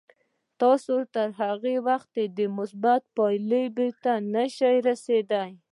تاسې تر هغه وخته مثبتې پايلې ته نه شئ رسېدای.